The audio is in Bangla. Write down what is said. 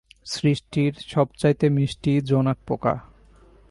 সৃষ্টির সবচাইতে মিষ্টি জোনাকপোকা।